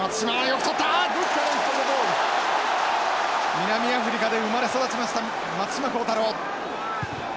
南アフリカで生まれ育ちました松島幸太朗。